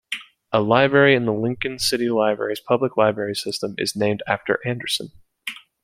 A library in the Lincoln City Libraries public library system is named after Anderson.